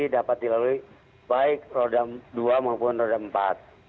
dapat dilalui baik roda dua maupun roda empat